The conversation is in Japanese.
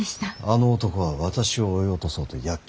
あの男は私を追い落とそうと躍起なのだ。